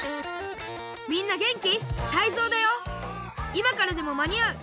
「いまからでもまにあう！